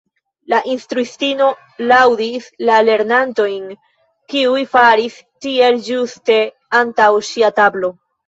La instruistino laŭdis la lernantojn kiuj faris tiel ĝuste antaŭ ŝia tablo.